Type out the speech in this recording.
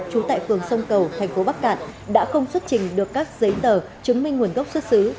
trú tại phường sông cầu thành phố bắc cạn đã không xuất trình được các giấy tờ chứng minh nguồn gốc xuất xứ